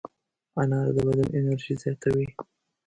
انار د بدن انرژي زیاتوي.